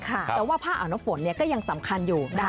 แต่ว่าผ้าอ่าวน้ำฝนก็ยังสำคัญอยู่นะคะ